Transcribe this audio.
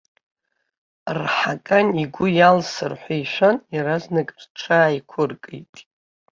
Рҳакан игәы иалсыр ҳәа ишәан, иаразнак рҽааиқәыркит.